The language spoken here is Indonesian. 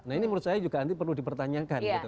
nah ini menurut saya juga nanti perlu dipertanyakan gitu